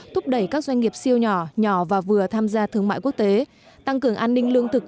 thúc đẩy các doanh nghiệp siêu nhỏ nhỏ và vừa tham gia thương mại quốc tế tăng cường an ninh lương thực